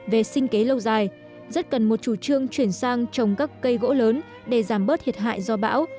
về sinh kế lâu dài rất cần một chủ trương chuyển sang trồng các cây gỗ lớn để giảm bớt thiệt hại do bão